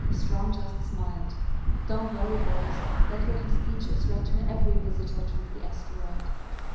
Strong just smiled. "Don't worry, boys. That little speech is read to every visitor to the asteroid."